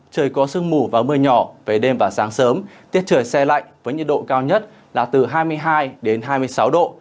trời có sương mù và mưa nhỏ về đêm và sáng sớm tiết trời xe lạnh với nhiệt độ cao nhất là từ hai mươi hai đến hai mươi sáu độ